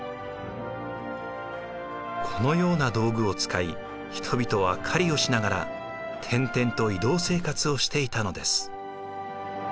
このような道具を使い人々は狩りをしながら転々と移動生活をしていたのです。